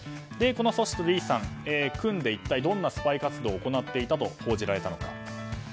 この組織、リーさん組んで一体どんなスパイ活動を行っていたと報じられたのか。